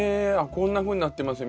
こんなふうになってますよ